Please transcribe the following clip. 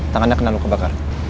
tangannya kena lu kebakar